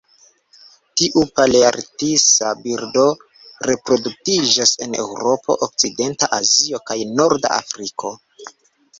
Tiu palearktisa birdo reproduktiĝas en Eŭropo, okcidenta Azio kaj norda Afriko.